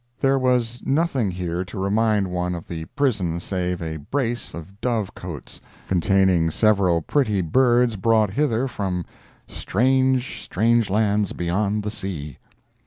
There was nothing here to remind one of the prison save a brace of dove cotes, containing several pretty birds brought hither from "strange, strange lands beyond the sea."